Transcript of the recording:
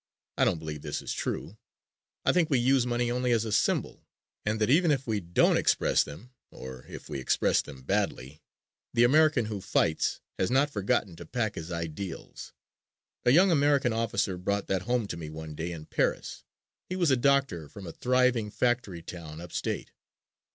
I don't believe this is true. I think we use money only as a symbol and that even if we don't express them, or if we express them badly, the American who fights has not forgotten to pack his ideals. A young American officer brought that home to me one day in Paris. He was a doctor from a thriving factory town upstate.